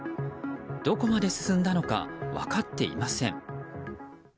どこまで進んだのか分かっていません。